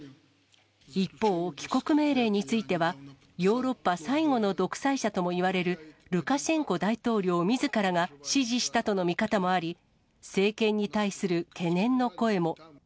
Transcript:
一方、帰国命令については、ヨーロッパ最後の独裁者ともいわれるルカシェンコ大統領みずからが指示したとの見方もあり、政権に対する懸念の声も。